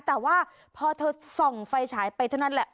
แต่ว่าพอเธอส่องไฟฉายไปเท่านั้นแหละ